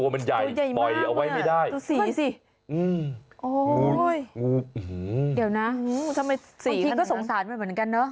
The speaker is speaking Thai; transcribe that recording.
บางทีก็สงสารเหมือนกันเนอะ